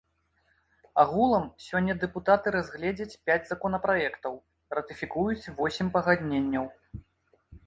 Агулам сёння дэпутаты разгледзяць пяць законапраектаў, ратыфікуюць восем пагадненняў.